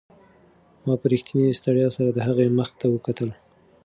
ما په رښتینې ستړیا سره د هغې مخ ته وکتل.